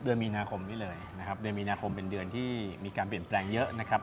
เดือนมีนาคมนี้เลยนะครับเดือนมีนาคมเป็นเดือนที่มีการเปลี่ยนแปลงเยอะนะครับ